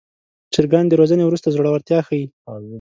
چرګان د روزنې وروسته زړورتیا ښيي.